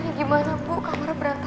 gimana bu kamarnya berantak